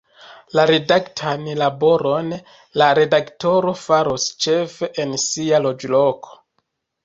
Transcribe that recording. La redaktan laboron la redaktoro faros ĉefe en sia loĝloko.